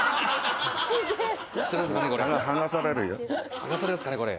剥がされますかねこれ。